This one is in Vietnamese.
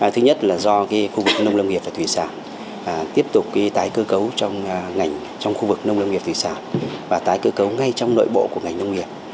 thứ nhất là do khu vực nông lông nghiệp và thủy sản tiếp tục tái cơ cấu trong khu vực nông lông nghiệp thủy sản và tái cơ cấu ngay trong nội bộ của ngành nông nghiệp